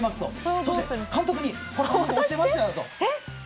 そして、監督に落ちてましたよ！と。